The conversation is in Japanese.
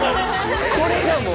これがもう。